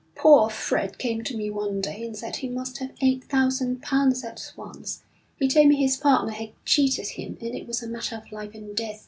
'Poor Fred came to me one day and said he must have eight thousand pounds at once. He told me his partner had cheated him, and it was a matter of life and death.